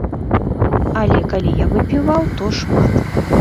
Але калі я выпіваў, то шмат.